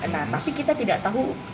nah tapi kita tidak tahu